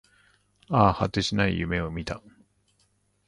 ああ、果てしない夢を見た